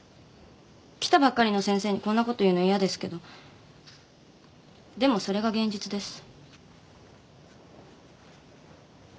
来たばっかりの先生にこんなこと言うの嫌ですけどでもそれが現実です。